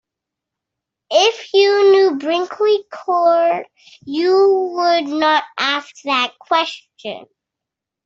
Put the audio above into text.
If you knew Brinkley Court, you would not ask that question.